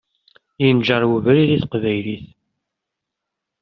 Yenǧer webrid i teqbaylit.